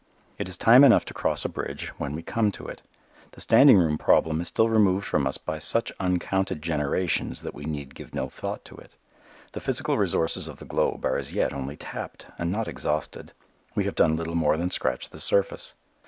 It is time enough to cross a bridge when we come to it. The "standing room" problem is still removed from us by such uncounted generations that we need give no thought to it. The physical resources of the globe are as yet only tapped, and not exhausted. We have done little more than scratch the surface.